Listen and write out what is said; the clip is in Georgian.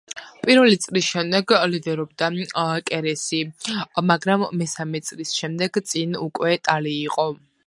პირველი წრის შემდეგ ლიდერობდა კერესი, მაგრამ მესამე წრის შემდეგ წინ უკვე ტალი იყო.